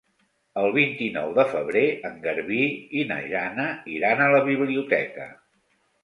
El vint-i-nou de febrer en Garbí i na Jana iran a la biblioteca.